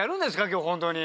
今日本当に。